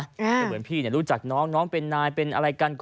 คือเหมือนพี่รู้จักน้องน้องเป็นนายเป็นอะไรกัน